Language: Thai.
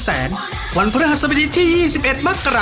สวัสดีค่ะ